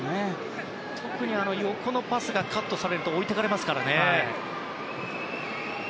特に横のパスがカットされると置いていかれますからね。